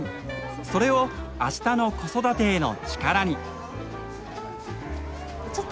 それをあしたの子育てへの力に。